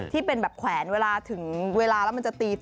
ที่เป็นแบบแขวนเวลาถึงเวลาแล้วมันจะตี